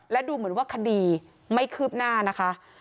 และดูเหมือนว่าคดีไม่คืบหน้านะคะ